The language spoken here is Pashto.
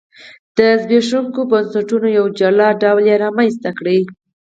د زبېښونکو بنسټونو یو جلا ډول یې رامنځته کړ.